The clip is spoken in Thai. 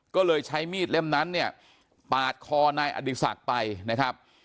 ก็เลยใช้มีดเล่มนั้นเนี่ยปาดคอนายอดีศักดิ์ไปนะครับ